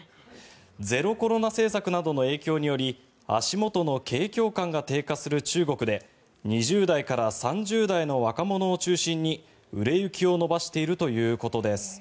ゼロコロナ政策などの影響により足元の景況感が低下する中国で２０代から３０代の若者を中心に売れ行きを伸ばしているということです。